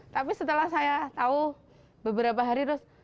tapi setelah saya tahu beberapa hari terus